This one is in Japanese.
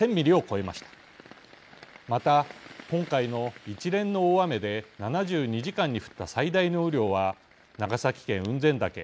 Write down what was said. また今回の一連の大雨で７２時間に降った最大の雨量は長崎県雲仙岳